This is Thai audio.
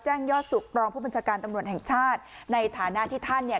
ยอดสุขรองผู้บัญชาการตำรวจแห่งชาติในฐานะที่ท่านเนี่ย